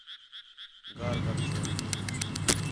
گار کر چھوڑی ہِے